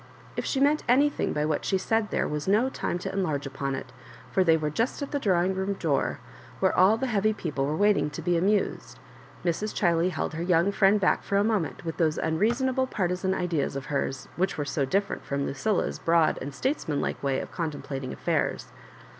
If she meant anything by what she said there was no time to enlarge upon it, for they were just at the drawing room door, where all the heavy people were waiting to bo amused. Mrs. Ghiley held her young friend back for a moment with those unreasonable partisan ideas of hers, which were so different from Lucilla's broad and statesmanlike way of contemplating affairs.